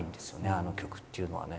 あの曲っていうのはね